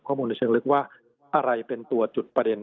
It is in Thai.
ข้อมูลในเชิงลึกว่าอะไรเป็นตัวจุดประเด็น